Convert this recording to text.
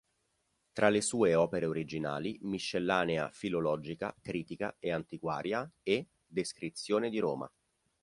Tra le sue opere originali, "Miscellanea filologica, critica, e antiquaria" e "Descrizione di Roma".